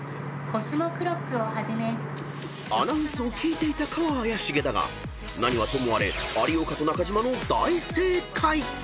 ［アナウンスを聞いていたかは怪しげだが何はともあれ有岡と中島の大正解！］